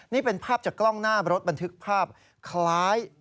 นี่เป็นภาพจากกล้องหน้ารถบันทึกภาพคล้าย